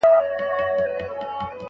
لېري زده کړه د سفر لګښتونه کموي.